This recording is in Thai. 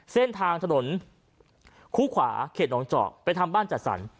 เส้นทางถนนคู่ขวาเขตน้องเจาะไปทำบ้านจัดสรร